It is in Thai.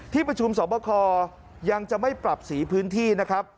ที่ประชุมสอบคอยังจะไม่ปรับสีพื้นที่นะครับ